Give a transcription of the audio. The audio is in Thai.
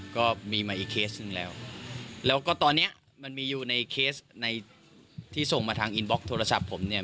ก็มีมาอีกเคสหนึ่งแล้วแล้วก็ตอนเนี้ยมันมีอยู่ในเคสในที่ส่งมาทางอินบล็อกโทรศัพท์ผมเนี่ย